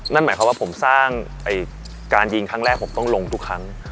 นั่นหมายความว่าผมสร้างการยิงครั้งแรกผมต้องลงทุกครั้ง